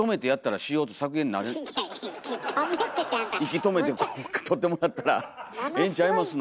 息止めてこう撮ってもらったらええんちゃいますの。